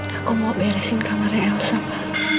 aku mau beresin kamarnya elsa